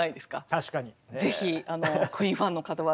確かに。